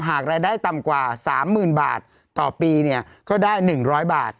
หากรายได้ต่ำกว่า๓๐๐๐บาทต่อปีเนี่ยก็ได้๑๐๐บาท